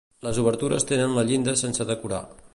Les obertures tenen la llinda sense decorar.